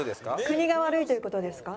国が悪いという事ですか？